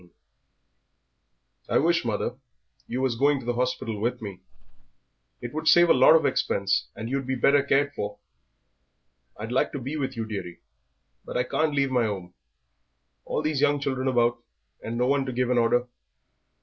XV "I wish, mother, you was going to the hospital with me; it would save a lot of expense and you'd be better cared for." "I'd like to be with you, dearie, but I can't leave my 'ome, all these young children about and no one to give an order.